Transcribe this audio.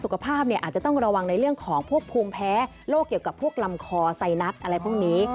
อาจจะต้องระวังในเรื่องของพวกภูมิแพ้โรคเกี่ยวกับพวกลำคอไซนัสอะไรพวกนี้